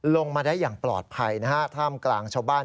ลงมาได้อย่างปลอดภัยนะฮะท่ามกลางชาวบ้าน